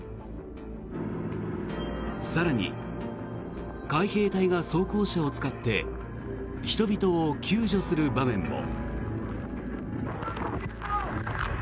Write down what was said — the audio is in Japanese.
更に、海兵隊が装甲車を使って人々を救助する場面も。